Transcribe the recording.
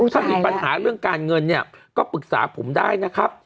ถ้ามีปัญหาเรื่องการเงินเนี่ยก็ปรึกษาผมได้นะครับ